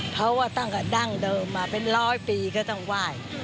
เพราะว่าตั้งแต่ดั้งเดิมมาเป็นร้อยปีก็ต้องไหว้